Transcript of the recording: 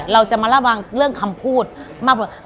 เราจะมาระวังเรื่องคำพูดมากกว่า